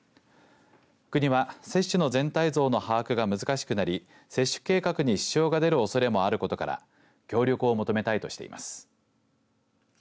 国は、接種の全体像の把握が難しくなり接種計画に支障が出るおそれもあることから協力を求めたいとしています。